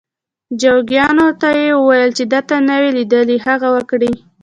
جوګیانو ته یې وویل چې ده نه وي لیدلي هغه وکړي.